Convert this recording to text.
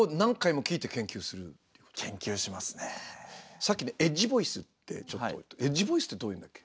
さっきねエッジボイスってちょっと「エッジボイス」ってどういうのだっけ？